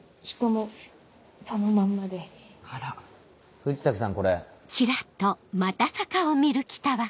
藤崎さんこれ。